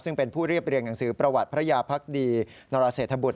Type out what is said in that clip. ซึ่งเป็นผู้เรียบเรียงหนังสือประวัติพระยาพักดีนรเศรษฐบุตร